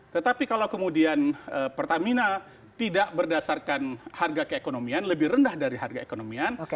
tetapi kalau kemudian pertamina tidak berdasarkan harga keekonomian lebih rendah dari harga ekonomian